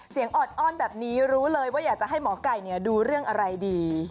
ออดอ้อนแบบนี้รู้เลยว่าอยากจะให้หมอไก่ดูเรื่องอะไรดี